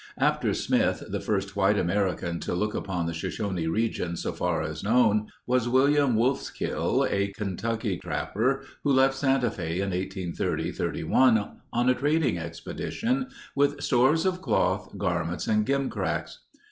After Smith the first white American to look upon the Shoshone region so far as known, was William Wolfskill, a Kentucky trapper who left Santa Fe in 1830 31 on a trading expedition with stores of cloth, garments, and gimcracks.